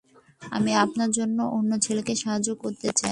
আমি আপনার অন্য ছেলের সাহায্য করতে চাই।